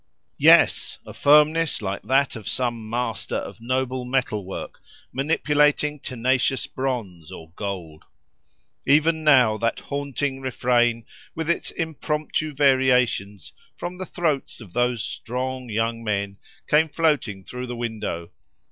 Yes! a firmness like that of some master of noble metal work, manipulating tenacious bronze or gold. Even now that haunting refrain, with its impromptu variations, from the throats of those strong young men, came floating through the window.